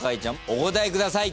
お答えください。